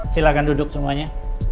silahkan duduk semuanya